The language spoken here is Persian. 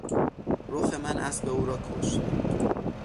رخ من اسب او را کشت.